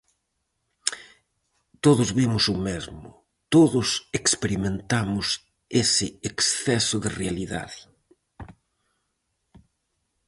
Todos vimos o mesmo, todos experimentamos ese exceso de realidade.